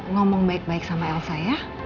ngomong baik baik sama elsa ya